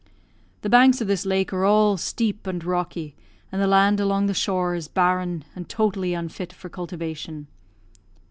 The banks of this lake are all steep and rocky, and the land along the shore is barren, and totally unfit for cultivation.